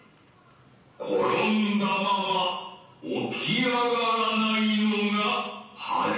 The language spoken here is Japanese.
転んだまま起き上がらないのが恥である。